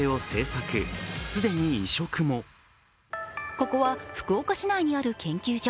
ここは福岡市内にある研究所。